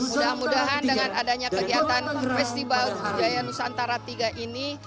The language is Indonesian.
mudah mudahan dengan adanya kegiatan festival budaya nusantara tiga ini